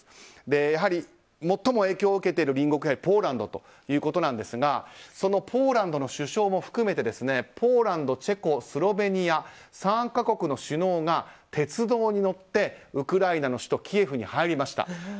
やはり最も影響を受けている隣国ポーランドということなんですがそのポーランドの首相も含めてポーランド、チェコ、スロベニア３か国の首脳が鉄道に乗って、ウクライナの首都キエフに入りました。